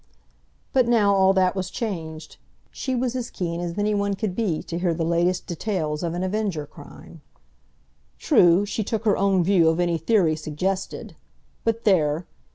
But now all that was changed. She was as keen as anyone could be to hear the latest details of an Avenger crime. True, she took her own view of any theory suggested. But there!